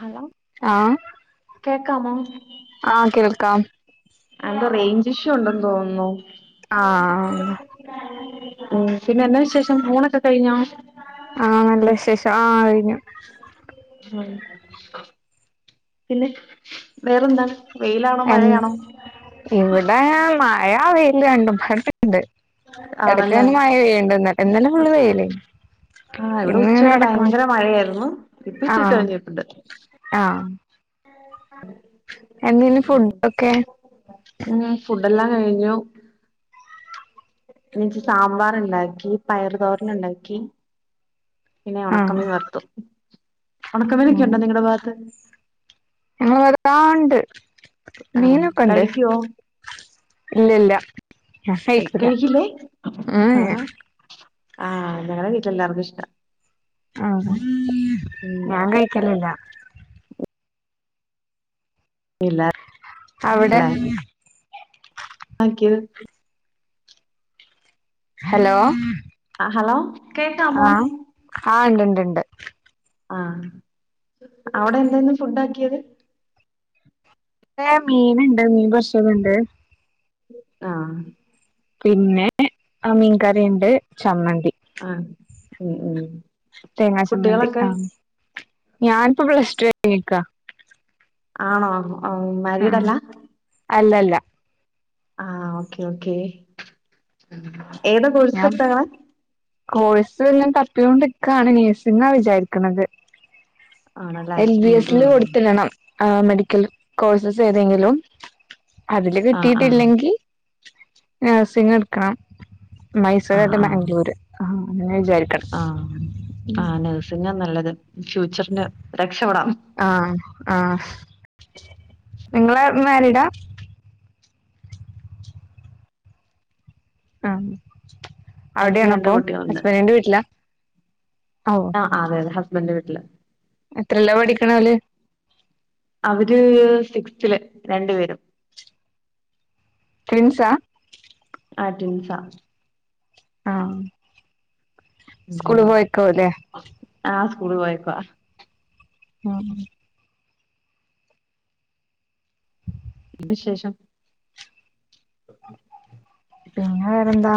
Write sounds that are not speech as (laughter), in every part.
Hello കേ ക്കാമോ ആ കേൾക്കാം അ എന്തോ റേഞ്ച് ഇഷ്യു ഉണ്ടെന്ന് തോന്നുന്നു ആഹ് ഓ പിന്നെ എന്നാ വിശേഷം ഊണൊക്കെ കഴിഞ്ഞോ ആഹ് നല്ല വിശേഷം ആ കഴിഞ്ഞു പിന്നെ വേറെന്താണ് വെയിലാണോ എൻ മഴയാണോ ഇവിടേ മഴ വെയിൽ രണ്ടും (unintelligible) എടയ്ക്ക് ആണല്ലേ പിന്നെ മഴ പെയ്യണ്ട് ഇന്ന ഇന്നലെ ഫുള്ള് വെയില് ആ ഇവിടെ ഉച്ചവരെ ഭയങ്കര മഴയായിരുന്നു ഇപ്പ ഇച്ചി ആഹ് തെളിഞ്ഞിട്ടുണ്ട് എന്തെിലും ഫുഡൊക്കെ എല്ലാം കഴിഞ്ഞു എനിക് സാമ്പാർ ഉണ്ടാക്കി പയറു തോരൻ ഉണ്ടാക്കി പിന്നെ ആഹ് ഉണക്കമീൻ വറുത്തു ഉണക്കമീനൊക്കെ ഉം ഉണ്ടോ നിങ്ങളുടെ ഭാഗത്ത് (unintelligible) ആ ഉണ്ട് ആണോ മീനൊക്കെ ഒണ്ട് കഴിക്കുവോ ഇല്ലില്ല ഞാൻകയിക്കൂല്ല കഴിക്കില്ലേ ആ ആഹ് ആഹ് ഞങ്ങടെ വീട്ടിലെല്ലാർക്കും ഇഷ്ടാ ആ ഉം ഞാൻ കഴിക്കലില്ല ഇല്ലാ അവിടെ ല്ലേ ആക്കിയത് ഹലോ ഹലോ കേക്കാമോ? ആ ആ ഉണ്ട് ണ്ട് ഉണ്ട് ആ അവിടെ എന്താ ഇന്ന് ഫുഡ് ആക്കിയത് ഇവ്ടേ മീൻണ്ട് മീൻ പൊരിച്ചതു ഇണ്ട് ആ പിന്നെ മീൻകറിയുണ്ട് ചമ്മന്തി ആ ഉം ഉം തേങ്ങാ ചമ്മന്തി കുട്ടികളൊക്കെ ആ ഞാനിപ്പോ പ്ലസ് ടു കഴിഞ്ഞ് നിക്കാ ആണോ ഹ മാരീഡല്ലാ അല്ലല്ല ആ ഓക്കെ ഓക്കെ ഏത് കോഴസാ ഞാൻ എട്ത്തേക്കണേ കോഴ്സ് വല്ലോം തപ്പികൊണ്ട്ക്കാണ് നഴ്സിങാ വിചാരിക്കണത് ആണല്ലേ വിചാരിക്കുന്നത് എൽ ബി ഉം എസ്ല് ഉം കൊടുത്തിടണം ആ മെഡിക്കൽ കോഴ്സസ് ഏതെങ്കിലും അതില് ആഹ് ആഹ് കിട്ടിട്ടില്ലെങ്കി ആഹ സിങ്ങ എടുക്കണം മൈസൂർ ആഹ് അല്ല ആഹ് മാംഗ്ലൂര് ആ അങ്ങനെ വിചാരിക്കണം ആഹ് ആഹ് നഴ്സിങ്ങാ നല്ലത് ഫ്യൂച്ചറിന് രക്ഷപ്പെടാം ആഹ നിങ്ങള മരിഡാ ആഹ എനിക്ക് അവിടെയാണ രണ്ട് അപ്പ ഹസ്ബൻറിന്റെ വീട്ടിലാ ഓ ആ അതെ അതെ ഹസ്ബൻഡ്ട്ട് എത്രല്ല പഠിക്കണല് അവര് സിക്സ്ത്തില്ൽ രണ്ടു പേരും എസാ ആട്ടിൻസ ആഹ സ്കൂള് പോയക്കോ അല്ലേ കുഴവായിക്കാ ആഹ വിശേഷം ഉ പിന്നെ വേറെന്താ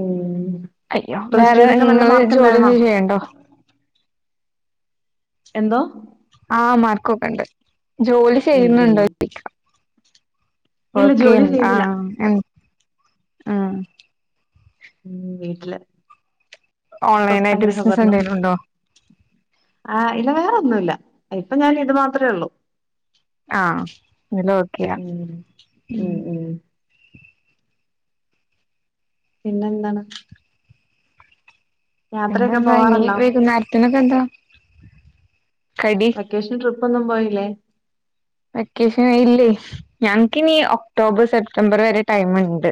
ഉം അയ്യോ പ്ലസ് വേറെ ടുവിനൊക്കെ നല്ല നിങ്ങള് മാർക്ക് ഉണ്ടായിരുന്നോ ജോലിന്ന ചെയ്യണ്ടോ എന്തോ ആഹ് മാർക്കക്കണ്ട് ജോലി ഉം ഉം ചെയ്യുന്നുണ്ടോരിക്ക ഇല്ല ഓക്കെ ജോലി ചെയ്യുന്നില്ല ആഹ എ ആഹ ഉം വീട്ടില് ഓൺലൈൻ ആയിട്ട് സ്വസ്ഥഗ്രഹ വർ ബിസിനസ് എന്തെലും ഉണ്ടോ ആ് ഇല്ല വേറ ഒന്ന ഇപ്പൊ ഞാൻ ഇത് മാത്രേ ഉള്ളൂ ആഹ് എല്ല ഓക്കെയാ ഉം മ് ഉം ഉം പിന്നെ എന്താണ് യാത്രയൊക്കെ പിന്നെന്താ ഇനി പോവാറുണ്ടോ വൈകുന്നേ രത്തിനൊക്ക എന്താ? കടി വെക്കേഷൻ ട്രി പ്പൊന്നും പോയില്ലേ? വെക്കേഷൻ ഇല്ലേ ഞങ്ങ്ക്ക് ഇനി ഒക്ടോബർ, സെപ്റ്റംബർ വരെ ടൈമ് ഇണ്ട്.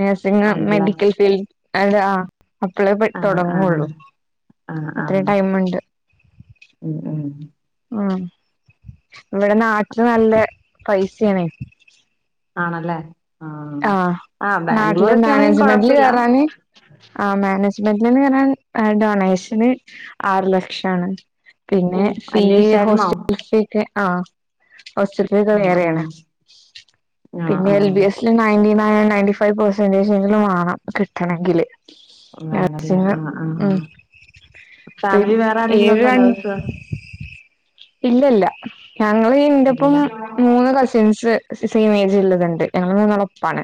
നഴ്സിംഗ് ഉണ്ടല്ലേ മെഡിക്കൽ ഫീൽ അതെ ആഹ് അപ്പളേ പഠി ആഹ് തൊടങ്ങുള്ളൂ. ആഹ് ആഹ് ആഹ് അത്രേം ടൈമ്ണ്ട്. ഉം ഉം ആഹ് ഇവിടെ നാട്ടില് നല്ല പൈസയാണെ. ആണല്ലേ ആഹ് ആ ആഹ് നാട്ടില് ബാംഗ്ലൂരൊക്കെ ആണെങ്കിൽ മാനേജ്മെന്റില് കൊഴപ്പില്ല കേറാന് ആ മാനേ- ജ്മെന്റിൽന്ന് കേറാൻ കൈ ഡൊണേഷന് ആറ് ലക്ഷാണ്. ഓ പിന്നെ ഫീ അന്വേഷിച്ചായിരുന്നോ ഹോസ്റ്റൽ ഫീ ഒക്കെ ആ ഹോസ്റ്റ്ൽ ഫീ ഒക്കെ ആഹ് ആഹ് വേറെയാണ്. ആഹ് പിന്നെ എൽ ആഹ് B S (unintelligible) ninety five percentage എങ്കിലും വാണം കിട്ടണെങ്കില്. വേണല്ലേ നഴ്സിംഗ് ആഹ് ആഹ് ഉം ആഹ്. ഫാമിലി വേറെ ആരെങ്കിലു ഏഴ് ര ഉണ്ടോ നേഴ്സ്? ഇല്ലല്ല. ഞങ്ങള് ഇന്റെപ്പം ഇല്ല മൂന്ന് കസിൻസ് സെയിം ഏജ് ഉള്ളതുണ്ട് ഞങ്ങള് മൂന്നാളും പാണ്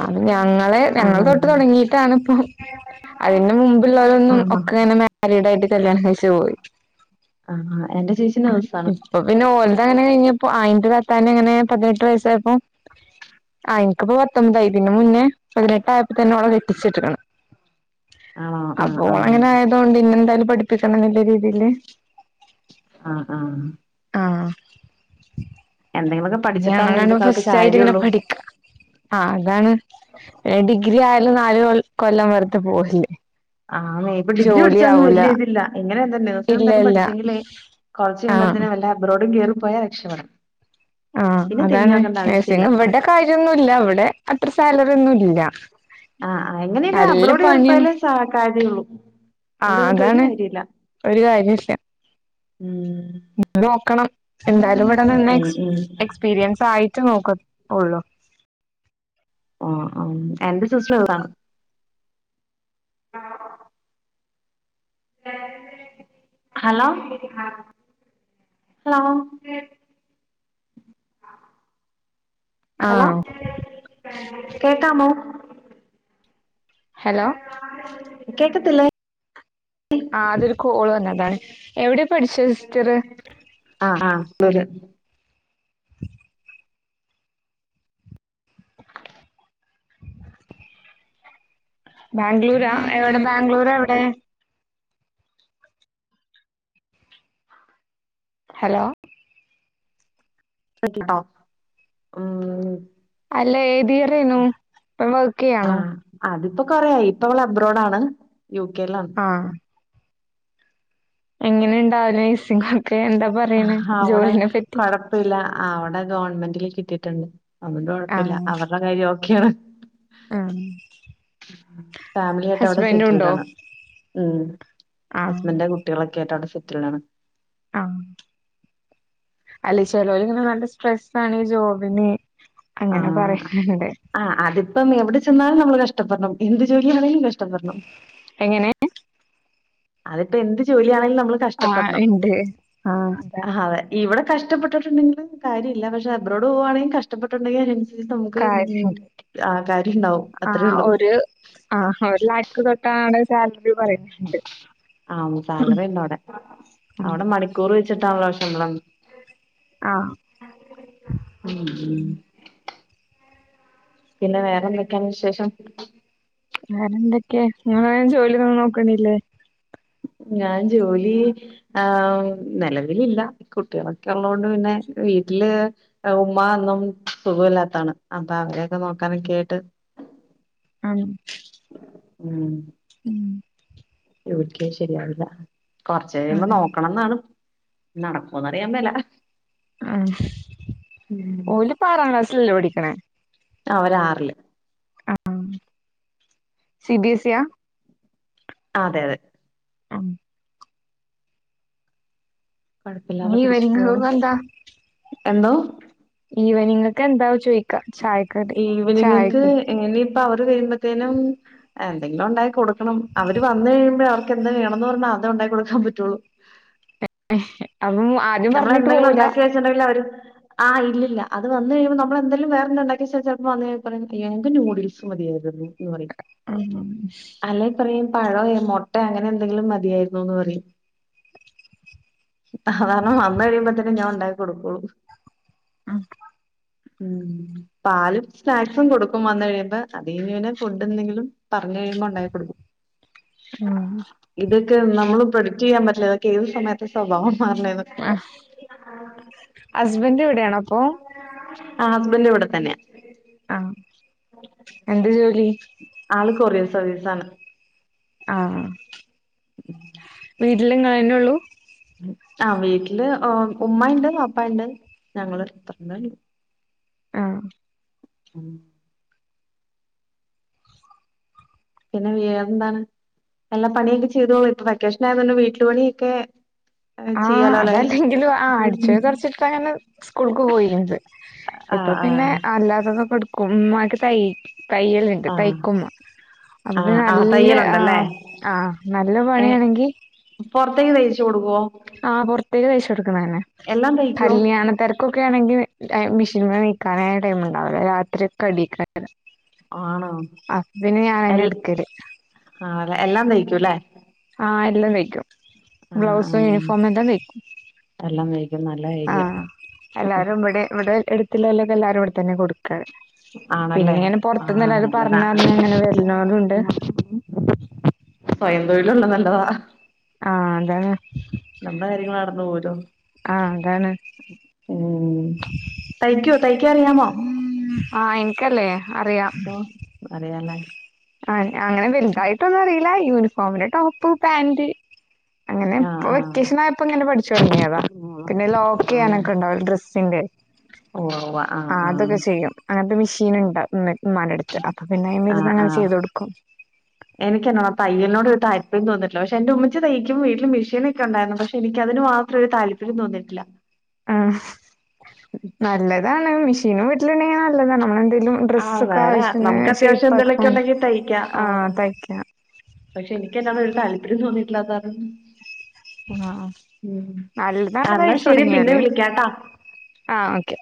അത് ഞങ്ങളെ ഞങ്ങള് തൊട്ട് ആഹ് തൊടങ്ങിട്ടാണ് ഇപ്പോ അതിന്റെ മുമ്പുള്ളവരൊന്നും ആഹ് ഒക്കെങ്ങനെ മാരീഡ് ആയിട്ട് കല്യാണം കഴിച്ചു പോയി ആഹ് എന്റെ ചേച്ചി നഴ്സാണ് ഇപ്പ പിന്നെ ഓലതെ അങ്ങനെ കഴിഞ്ഞു അപ്പൊ അയിന്റെ കത്താ (unintelligible) നെ അങ്ങനെ പതിനെട്ട് വയസ്സായപ്പോ ആ എനിക്കിപ്പോ പത്തൊൻമ്പതായ്ട്ടുണ്ട് ഇതിന് മുന്നേ പതിനെട്ടയപ്പോ തന്നെ ഓളെ കെട്ടിച്ച് വിട്ടേക്ക്ണ് ആണോ ആഹ് അപ്പോൾ ആഹ് ഓളങ്ങനെ ആയതൊണ്ട് ഇനി എന്നെന്തായാലും പഠിപ്പ- കിട്ടണം അതിന്റെ രീതിയില് ആഹ് ആഹ് ആഹ് എന്തെങ്കിലുമൊക്കെ പഠിച്ചിട്ടാന്ന് ഇന്നത്തെ ഞങ്ങളാണ് കാലത്ത് ഫസ്റ്റ് ആയിട്ട് ഇങ്ങനെ കാര്യള്ളൂ പഠിക്ക ആ അതാണ് ഡിഗ്രി ആ- നാല് കൊല്ല- കൊല്ലം വെറുത്തെ പോവല്ലേ ആനേ ഇപ്പ ഡിഗ്രി ജോലി പഠിച്ചാലേ ഒന്നും ആവൂല വലിയ ഇതില്ല ഇങ്ങനെ തന്നെ നേഴ്സിങ് ഇല്ല എന്തായാലും ഇല്ല പഠിച്ചെങ്കിലേ കൊറച്ച് ആഹ് കഴിയുമ്പോത്തെന് വല്ല അബ്രോഡും കേറും പോയാ രക്ഷപ്പെടാം ആ പിന്നെ തിരിഞ്ഞു അതാണ് നോക്കണ്ട ആവശ്യമില്ല നേഴ്സിങ് ഇവിടെ കാര്യൊന്നുമില്ല ഇവിടെ അത്ര സാലറിയൊന്നും ഇല്ല ഇല്ല ആഹ് എങ്ങനെലും നല്ല അബ്രോട് കേറി പണിയാണ് പോയാലേ സാ കാര്യ ഉള്ളൂ ആ അതാണ് ഒരു കാര്യ ഇല്ല ഉം എന്തായാലും ഇവിട ഇവിടെ നിന്ന് ഉം ഉം എക്സ്പീരിയൻസ് ആയി ട്ട് നോക്കത്തുള്ളു ഓ ആ എന്റെ സിസ്റ്റർ അതാണ് ഹലോ ഹലോ ആ ഹലോ കേക്കാമോ ഹലോ കേ ക്കത്തില്ലേ ആ അതൊരു കോള് വന്നതാണ് എവിടാ പഠിച്ച സിസ്റ്ററ് ആഹ് ആഹ് ബാംഗ്ലൂരാ എവിടെ ബാംഗ്ലൂർ എവിടെ ഹലോ (unintelligible) ഉം അല്ല ഏതിയറേനു വർക്ക് ചെയ്യാണോ ഇപ്പൊ കൊറയായി ഇപ്പ അവള് അബ്രോഡ് ആണ് യൂ കെ ലാണ് ആ എങ്ങനെ ഉണ്ടാവില്ല നഴ്സിംഗാണ് ഒക്കെ എന്താ പറയണ ജോലീനെ പറ്റി ഗവൺമെന്റിൽ കിട്ടയിട്ടുണ്ട് അവടെ ആ കുഴപ്പില്ല അവരുടെ കാര്യം ഓക്കേ ക്കാണ് ആ ഫാമിലിയായിട്ട് അവിടെ ഹസ്ബൻഡ് സെറ്റിൽഡ് ഉണ്ടോ ആണ് ഉം ആ ഹസ്ബൻഡും കുട്ടികളൊക്കെ ആയിട്ട് അവിടെ സെ സെറ്റിൽടാണ് ആ അല്ല ചെലൊരുങ്ങനെ നല്ല സ്ട്രെസ്സാണ് ഈ ജോബിന് അങ്ങനെ ആഹ് പറയുന്നുണ്ട് ആഹ് അതിപ്പം എവിടെ ചെന്നാലും നമ്മള് കഷ്ടപ്പെടണം എന്ത് ജോലിയാണങ്കിലും കഷ് ടപ്പെടണം എങ്ങനെ അതിപ്പോ എന്ത് ജോലിയാണെങ്കിലും ആ കഷ്ടപ്പെടണം ഇണ്ട് ആ അതാണ് കഷ്ടപ്പെട്ടിട്ടുണ്ടെങ്കിൽ കാര്യല്ല പക്ഷെ അബ്റോട് പോവാണെങ്കിൽ കഷ്ടപെട്ട്ട്ടുണ്ടെങ്കിൽ കാര്യ കാര്യണ്ടാവും. ആ അത്രേ ഉള്ളൂ. ഒരു ആ ഒരു ലക്ക് തൊട്ടാണ് സാ ആ സാലറി ഉണ്ട് അവിടെ ഉം അവിടെ മണിക്കൂർ വെച്ചിട്ടാനല്ലോ ഉം ആ ഉം പിന്നെ വേറെ ന്തെക്കയാണ് വിശേഷം വേറെ എന്തൊക്കെയ അങ്ങന ജോലി ഒന്നും നോക്കണല്ലേ ഞാൻ ജോലി ആ നിലവിലില്ല കുട്ടികളൊക്കെ ഉള്ള കൊണ്ട് പിന്നെ വീട്ടില് ഉമ്മ ഒന്നും സുഖമല്ലാത്താണ് അപ്പൊ അവരൊക്കെ നോക്കാനൊക്കെ ആയിട്ട് ആ ഉം ഉം എക്ക ശരിയാവില്ല കുറച്ച കഴിയുമ്പോ അതന്നെ നോക്കണം എന്നാണ് നടക്കന്നറിയമ്മേല ആ ഓല ആറാം ക്ലാസിലല്ലോ പഠിക്ക പി അവര് ആറില് ആ സി ബിഎസ് സിയാ അതെ അതെ ആഹ് കൊഴപ്പില്ലാതെ നീ പഠിച്ചു വരങ്ങ പോണു വന്താ എന്തോ ഇവനിങ്ങ ഒക്കെ എന്താ ചോദ ഈവനിങ്ങയ്ക് എങ്ങനെ അപ്പൊ അവര് വരുമ്പോത്തേനും എന്തെങ്കിലും ഉണ്ടായി കൊടുക്ക ണം അവര് വന്നു കഴിയ്പോ അവർ എന്തന്ത് വേണംന്ന് പറഞ്ഞാ അത ഉണ്ടാക്കി കൊടുക്കാൻ പറ്റുള്ളൂ (inaudible) ആദ്യം പറഞ്ഞിട്ട് നമ്മളെന്തെങ്കിലും പോവൂല. ഉണ്ടാക്കി വെച്ചിട്ടുണ്ടെങ്കിൽ അവര് ആഹ് ഇല്ല അത് വന്ന് കഴിയുമ്പൾ നമ്മൾ എന്തായാലും വേറെന്തണ്ടാക്കി ചിലപ്പോ വ കഞ്ഞ എങ്ങക്ക് നയൂഡിൽസ് മതിയായിരുന്നു പറ ആഹ് അല്ല പറയാ പഴം മൊട്ട അങ്ങനെ എന്തെങ്കിലും മതിയായിരുന്നുന്ന് പറയും വന്ന കഴിയുമ്പോത്തന്നെ ഞാൻ ഉണ്ടാക്കി കൊടുക്കുള്ളൂ ഉം ഉം പാലും സ്നാക്സും കൊടുക്കും വന്ന കഴിയുമ്പോ അതഞ്ഞുനെ ഫുഡ് എന്തെങ്കിലും പറഞ്ഞഞ് കഴിയുമ്പോ ഉണ്ടാക്കി കൊടുക്കും ഇതൊക്കെ നമ്മള് പ്രൊഡക്ട് ചെയ്യൻ പറ്റില്ല ഏ സമയ സ്വഭം മാ ആ ഹസ്ബൻഡ് എവിടെയാണ അപ്പൊ ആ ഹസ്ബൻഡന്റെ ഇവിടെ തന്നെയാ ആഹ് എന്ത് (unintelligible) (inaudible) ആള് കൊറേ ദിവസം അവധി ദെവസമാണ് ആഹ് ആഹ് (inaudible) വീട്ടില് നിങ്ങള് തന്നേയുള്ളു ആഹ് വീട്ടില് ഉമ്മ ഇണ്ട് വാപ്പ ഇണ്ട് ഞങ്ങളും (unintelligible) ആഹ് ഉം പിന്നെ വേറെ എന്താണ് എല്ലാ പണിയൊക്കെ ചെയ്തോളൂ ഇപ്പൊ വെക്കേഷൻ ആയതൊണ്ട് വീട്ടില് പണിയൊക്കെ ആ ചെയ്യാലോ അല്ലേ അതല്ലങ്കിലും ആ അടിച്ചതും തൊടച്ചിട്ടാ ഞാൻ സ്കൂളക്ക് പോയിനത് ആ ഇപ്പൊ ആ പിന്നെ അല്ലാതത് യൊക്കെ എടുക്കും ഉമ്മാക്ക് തൈ- തയ്യലുണ്ട് ആ തൈക്കും ഉമ്മ അപ്പൊ ആ പിന്നെ ആ നല്ല ആ തയ്യലുണ്ടല്ലേ ആ നല്ല ഏ പണിയാണെങ്കിൽ- പൊറത്തേക്ക് തൈച്ചു കൊടുക്കുവോ ആ പൊറത്തേക്ക് തയ്ച്ച കൊടുക്കണതന്നെ എല്ലാം തയ്ക്കോ കല്യാണ തിരക്കൊക്ക ആണെങ്കിൽ- മിഷീൻ നൽക്കാന ടൈംണ്ടാവില്ലോ രാത്രിയൊക്കെയെണിക്കുണ്ട് ആണോ ഞാനന്നെ എല്ല എടുക്കല് അതെ എല്ലാം തയ്ക്ക- ഉല് (unintelligible) ആഹ് എല്ലാം തയ്ക്കും ആ ബ്ലൗസും യൂണിഫോമും എല്ലാം തയ്ക്കും എല്ലാം തയ്ക്കും നല്ല കാര്യം ആഹ് എല്ലാരും ഇവിടെ ഇവിടെ എടു - ക്ക എല്ലാരും ഇവടെ തന്നെ കൊടു ആണല്ലേ ക്കെപിന്നെ ഇങ്ങനെ ആ നല്ലതാ പൊറത്ത്ന്നെല്ലാപറഞ്ഞ അന്നെന്നെ ഇങ്ങനെ വരുന്നോരുണ്ട് തൊഴിലുള്ളത് നല്ലതാ ആഹ് അതെന്നെ ലൊ ആഹ് അതാണ് ഉം തൈക്ക് (unintelligible) തയ്ക്ക അറിയാമോ ആഹ് എനിക്കല്ലേ അറിയാം ഓ അറിയാലേ ആഹ് അങ്ങനെ വല്തായിട്ടൊന്നും അറിയി ല്ല യൂണിഫോമിന്റെ ടോപ്പ് പാന്റ് അങ്ങനെ ആ ഇപ്പൊ ആ വെക്കേഷൻ ആ ആയപ്പോ ഇങ്ങനെ പഠിച്ചു തൊടങ്ങിയതാ ഉവ്വ പിന്നെ ലോക്ക് എയ്യാനൊക്കെ ഇണ്ടാവ്ലെ ഡ്രെസ്സിന്റെ ആ അതൊക്കെ ചെയ്യും അങ്ങന മെഷീൻ ഉണ്ട വിമാന എടുത്ത് അപ്പൊ പിന്നെ വരന്ന് ആ ആ അങ്ങനെ ചെയ്ത കൊടുക്കും താല്ര്ം തോന്നട്ടില്ല പക്ഷെ എന്റെ ഉമ്മ തക്കുമ്പ വീട്ടില് മെഷീനക്കെണ്ടായി പക്ഷെ എനിക്ക് അന് മാത്രം ഒരു താല്പര്യം തോന്നിട്ടില്ല ആ നല്ലതാണ് മഷ ീ വീട്ടിലണ്ടെങ്ക നല്ലതാ നമ്മ ആഹ വേറെ നമുക്ക് അത്യാവശ്യം എന്തെങ്കലുമൊക്കെ ഷേപ്പാക്കാൻ ഉണ്ടെങ്കിൽ തയ്ക്കാം ആ ആഹ് തയ്ക്കാം പക്ഷെ എനിക്ക്ന്താണ് ഒരു താല്പര്യം തോന്നി ഇല്ലാതാര ആഹ നല്ല ആ, നള് എന്നാ കഴിച്ചു ശരി പിന്നെ തുടങ്ങിയല്േ വിളിക്കാട്ടാ ആഹ ഓക്കെ